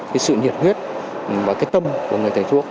cái sự nhiệt huyết và cái tâm của người thầy thuốc